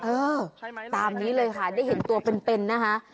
เออตามนี้เลยค่ะได้เห็นตัวเป็นนะคะ